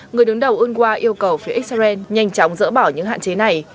người đứng đầu unqa yêu cầu phía israel nhanh chóng dỡ bỏ những hạn chế này